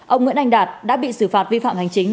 ông nguyễn anh đạt đã bị xử phạt vi phạm hành chính